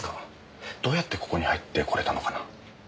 どうやってここに入ってこれたのかな？